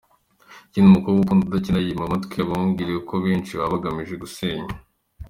Ikindi umukobwa ukunda adakina yima amatwi amabwire kuko abenshi baba bagamije gusenya.